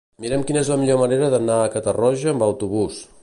Mira'm quina és la millor manera d'anar a Catarroja amb autobús.